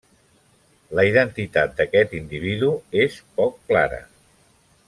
La identitat d'aquest individu és poc clara.